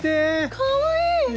かわいい！